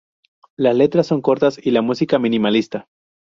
Las letras son cortas y la música minimalista.